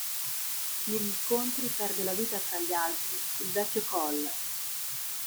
Negli scontri perde la vita, tra gli altri, il vecchio Coll.